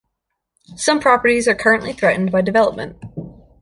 Some properties are currently threatened by development.